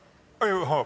はい。